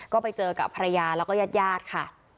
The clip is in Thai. ก็ไปเจอกับภรรยาแล้วก็ญาติญาติค่ะ